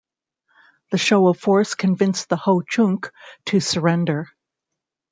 The show of force convinced the Ho-Chunk to surrender.